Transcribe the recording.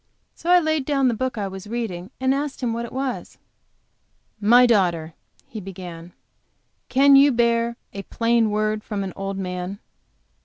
So I laid down the book I was reading, and asked him what it was. "My daughter," he began, "can you bear a plain word from an old man?"